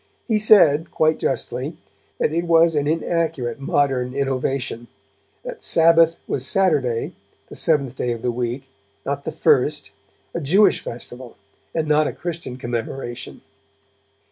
He said, quite justly, that it was an inaccurate modern innovation, that Sabbath was Saturday, the Seventh day of the week, not the first, a Jewish festival and not a Christian commemoration.